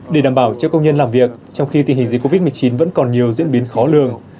để đảm bảo cho công nhân làm việc trong khi tình hình dịch covid một mươi chín vẫn còn nhiều diễn biến khó lường